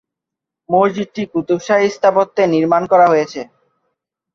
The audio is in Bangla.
মসজিদটি কুতুব শাহী স্থাপত্যে নির্মাণ করা হয়েছে।